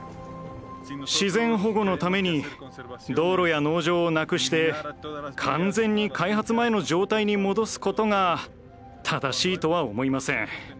自然保護のために道路や農場をなくして完全に開発前の状態に戻すことが正しいとは思いません。